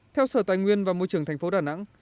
theo sở tài nguyên và môi trường tp đà nẵng